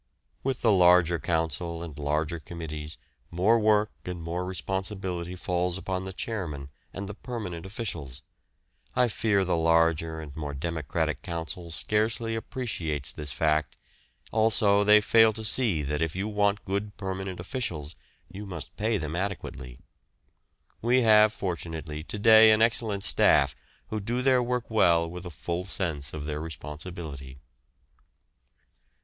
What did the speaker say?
With the larger Council and larger Committees more work and more responsibility falls upon the chairman and the permanent officials. I fear the larger and more democratic Council scarcely appreciates this fact, also they fail to see that if you want good permanent officials you must pay them adequately. We have fortunately to day an excellent staff who do their work well with a full sense of their responsibility.